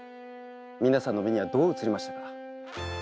皆さんの目にはどう映りましたか？